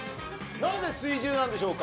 なんで水１０なんでしょうか。